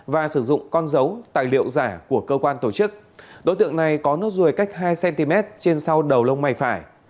và sử dụng con dấu tài liệu giả của cơ quan tổ chức đối tượng này có nốt ruồi cách hai cm trên sau đầu lông mày phải